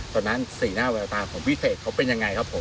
ตอนนั้นสี่หน้าเวลาตามของพี่เทคเขาเป็นยังไงครับผม